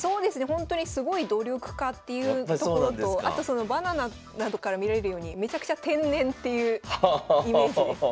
ほんとにすごい努力家っていうところとあとそのバナナなどから見られるようにめちゃくちゃ天然っていうイメージです。